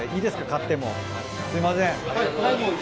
買ってもすいません。